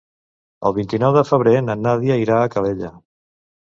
El vint-i-nou de febrer na Nàdia irà a Calella.